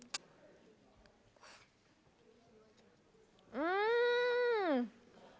うん！